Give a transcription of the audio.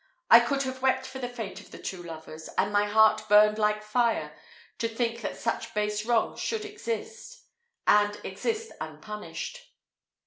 I could have wept for the fate of the two lovers, and my heart burned like fire to think that such base wrongs should exist and exist unpunished.